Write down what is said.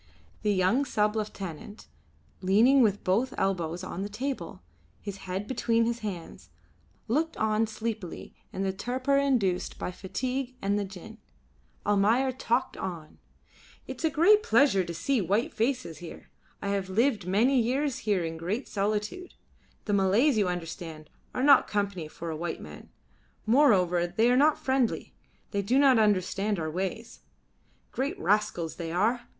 The young sub lieutenant, leaning with both elbows on the table, his head between his hands, looked on sleepily in the torpor induced by fatigue and the gin. Almayer talked on "It is a great pleasure to see white faces here. I have lived here many years in great solitude. The Malays, you understand, are not company for a white man; moreover they are not friendly; they do not understand our ways. Great rascals they are.